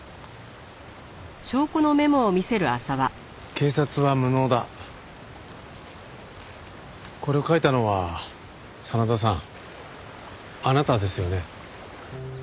「警察は無能だ」これを書いたのは真田さんあなたですよね？